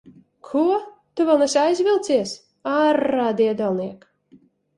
Ko? Tu vēl neesi aizvilcies? Ārā, diedelniek!